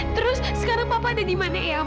terus sekarang papa ada di mana ya